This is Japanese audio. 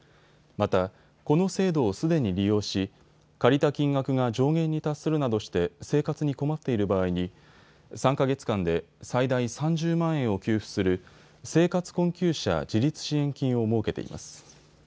また、この制度をすでに利用し借りた金額が上限に達するなどして生活に困っている場合に３か月間で最大３０万円を給付する生活困窮者自立支援金を設けています。